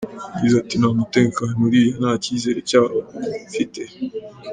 Yagize ati "Nta mutekano uriyo nta cyizere cyawo mfite.